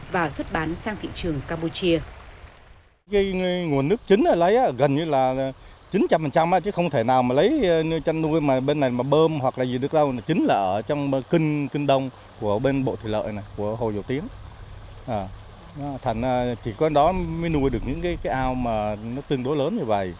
và xuất bán sang thị trường campuchia